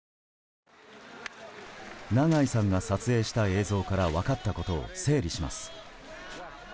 長井さんが撮影した映像から分かったことを整理します。